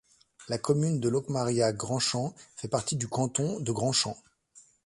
La commune de Locmaria-Grand-Champ fait partie du canton de Grand-Champ.